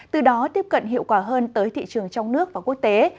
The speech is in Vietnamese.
từ đó tiếp cận hiệu quả hơn tới thị trường trong nước và quốc tế